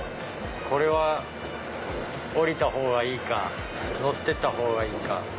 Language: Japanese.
これは降りた方がいいか乗ってた方がいいか。